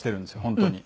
本当に。